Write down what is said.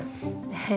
え